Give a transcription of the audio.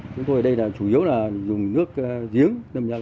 chúng tôi ở đây là chủ yếu là dùng nước giếng